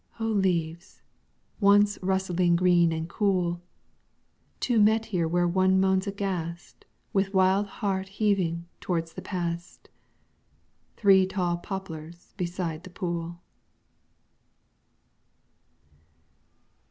O leaves, once rustling green and cool! Two met here where one moans aghast With wild heart heaving towards the past: Three tall poplars beside the pool.